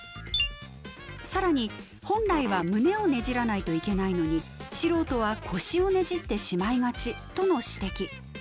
更に本来は胸をねじらないといけないのに素人は腰をねじってしまいがちとの指摘。